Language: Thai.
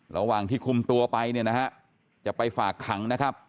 ระหว่างที่คุมตัวไปจะไปฝากขังนะครับ